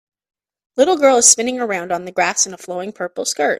Little girl is spinning around on the grass in a flowing purple skirt